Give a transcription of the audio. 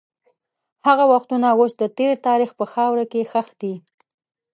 هغه وختونه اوس د تېر تاریخ په خاوره کې ښخ دي.